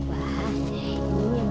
wah ini bang